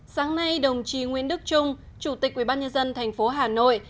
sáng nay đồng chí nguyễn đức trung chủ tịch quy bát nhân dân thành phố hà nội